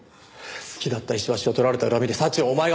好きだった石橋を取られた恨みで早智をお前が殺した。